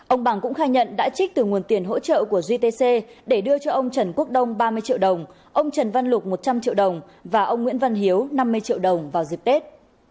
ông bằng cũng khai nhận đã trích từ nguồn tiền hỗ trợ của gtc để đưa cho ông trần quốc đông ba mươi triệu đồng ông trần văn lục một trăm linh triệu đồng và ông nguyễn văn hiếu năm mươi triệu đồng vào dịp tết